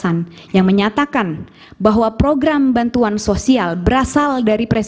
hal ini dibuktikan lebih lanjut melalui survei lsi pas kapil pres dua ribu dua puluh empat